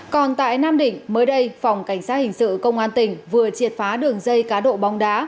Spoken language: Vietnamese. còn tại nam định mới đây phòng cảnh sát hình sự công an tỉnh vừa triệt phá đường dây cá độ bóng đá